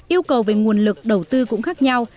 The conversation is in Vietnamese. yêu cầu về nguồn lực đầu tư cũng khác nhau